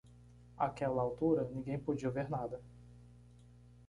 Àquela altura, ninguém podia ver nada